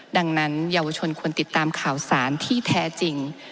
ดังนั้นเยาวชนควรติดตามข่าวสารที่แท้จริง